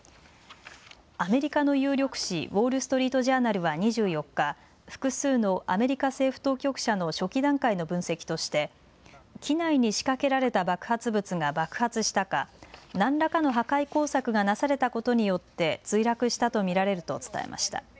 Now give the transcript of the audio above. アメリカの有力紙ウォール・ストリート・ジャーナルは２４日複数のアメリカ政府当局者の初期段階の分析として機内に仕掛けられた爆発物が爆発したか何らかの破壊工作がなされたことによって墜落したと見られると伝えました。